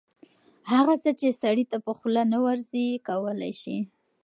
هغه څه چې سړي ته په خوله نه ورځي کولی شي